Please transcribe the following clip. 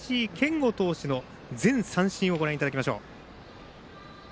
それでは山梨学院の林謙吾投手の全三振をご覧いただきましょう。